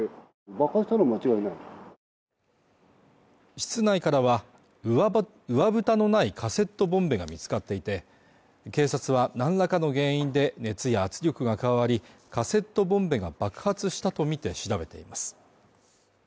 室内からはうわぶたのないカセットボンベが見つかっていて警察は何らかの原因で熱や圧力が加わりカセットボンベが爆発したとみて調べています